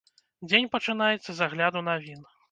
Дзень пачынаецца з агляду навін.